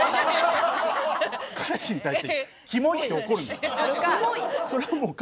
彼氏に対して「キモい」って怒るんですか？